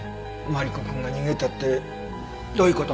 マリコくんが逃げたってどういう事？